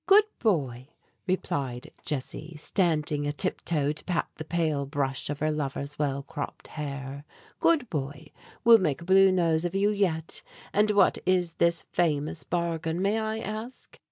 "Good boy," replied Jessie, standing a tip toe to pat the pale brush of her lover's well cropped hair. "Good boy, we'll make a Blue Nose of you yet! And what is this famous bargain, may I ask?"